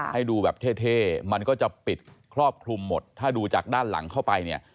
ให้ดูแบบเท่มันก็จะปิดครอบคลุมหมดถ้าดูจากด้านหลังเข้าไปเนี่ย